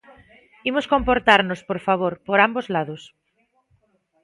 Imos comportarnos, por favor, por ambos lados.